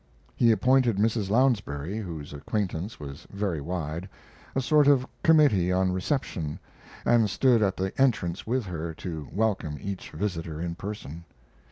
He appointed Mrs. Lounsbury, whose acquaintance was very wide; a sort of committee on reception, and stood at the entrance with her to welcome each visitor in person.